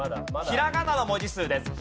ひらがなの文字数。